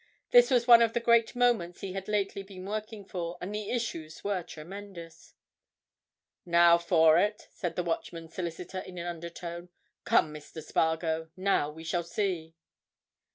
This was one of the great moments he had lately been working for, and the issues were tremendous. "Now for it!" said the Watchman's solicitor in an undertone. "Come, Mr. Spargo, now we shall see."